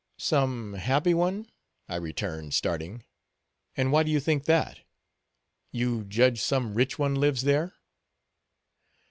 "Some happy one," returned I, starting; "and why do you think that? You judge some rich one lives there?"